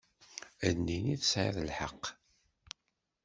Ad nini tesɛiḍ lḥeqq.